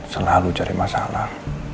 selalu cari masalah